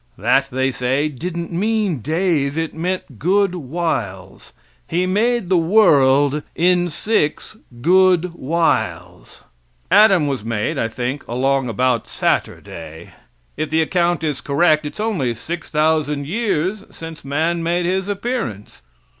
That, they say, didn't mean days; it meant good whiles. He made the world in six good whiles. Adam was made, I think along about Saturday. If the account is correct, it's only 6,000 years since man made his appearance.